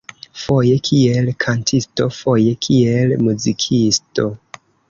Foje kiel kantisto foje kiel muzikisto.